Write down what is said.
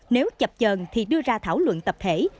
nếu chập trờn thì đưa ra thảo luận tập thể